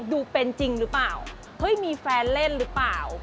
ดูเป็นจริงหรือเปล่าเฮ้ยมีแฟนเล่นหรือเปล่า